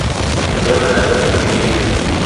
Abialga ana a debege kidi?